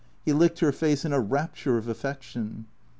He licked her face in a rapture of affection.